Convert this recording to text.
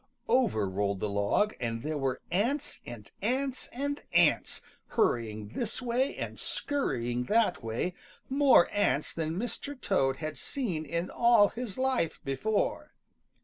Over rolled the log, and there were ants and ants and ants, hurrying this way and scurrying that way, more ants than Mr. Toad had seen in all his life before!